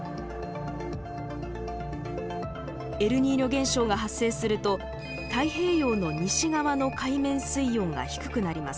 エルニーニョ現象が発生すると太平洋の西側の海面水温が低くなります。